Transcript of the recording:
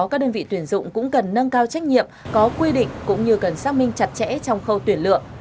các đơn vị tuyển dụng cũng có quy định cũng như cần xác minh chặt chẽ trong khâu tuyển lượng